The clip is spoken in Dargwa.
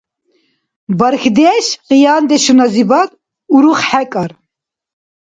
Бархьдеш къияндешуназибад уруххӀекӀар.